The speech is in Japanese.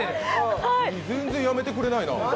全然やめてくれないな。